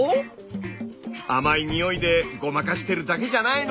甘い匂いでごまかしてるだけじゃないの？